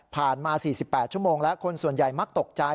มา๔๘ชั่วโมงแล้วคนส่วนใหญ่มักตกใจ